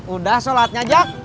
udah sholatnya jak